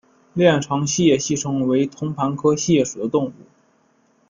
链肠锡叶吸虫为同盘科锡叶属的动物。